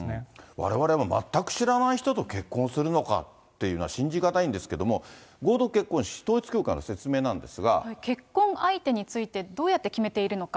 われわれも全く知らない人と結婚するのかっていうのは、信じ難いんですけれども、合同結婚式、結婚相手について、どうやって決めているのか。